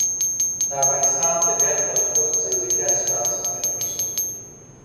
د افغانستان طبیعت له خپلو ځنګلي حاصلاتو څخه جوړ شوی دی.